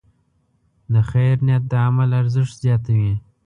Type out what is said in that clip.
د خیر نیت د عمل ارزښت زیاتوي.